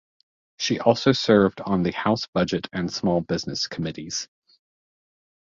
She also served on the House Budget and Small Business Committees.